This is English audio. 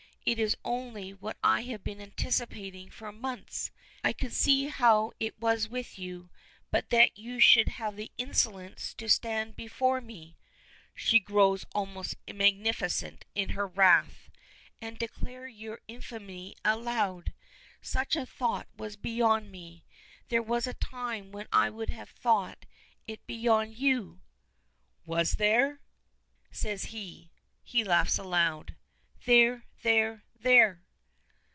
It is only what I have been anticipating for months. I could see how it was with you. But that you should have the insolence to stand before me " she grows almost magnificent in her wrath "and declare your infamy aloud! Such a thought was beyond me. There was a time when I would have thought it beyond you!" "Was there?" says he. He laughs aloud. "There, there, there!"